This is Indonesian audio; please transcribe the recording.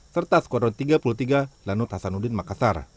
serta skuadron tiga puluh tiga lanut hasanuddin makassar